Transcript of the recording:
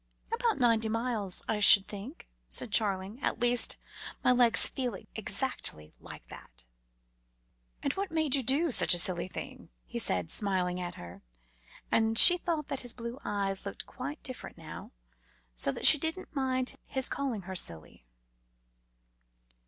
"About ninety miles, I should think," said Charling; "at least, my legs feel exactly like that." "And what made you do such a silly thing?" he said, smiling at her, and she thought his blue eyes looked quite different now, so that she did not mind his calling her silly.